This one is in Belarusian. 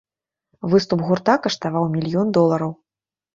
Выступ гурта каштаваў мільён долараў.